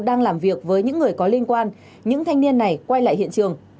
đang làm việc với những người có liên quan những thanh niên này quay lại hiện trường